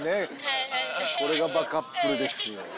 これがバカップルですよ。